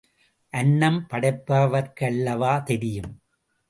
அன்னம் படைப்பவர்க்கல்லவா தெரியும்.